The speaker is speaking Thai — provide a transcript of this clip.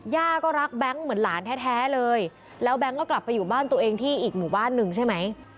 ย่าก็รักแบงค์เหมือนหลานแท้เลยแล้วแบงค์ก็กลับไปอยู่บ้านตัวเองที่อีกหมู่บ้านหนึ่งใช่ไหม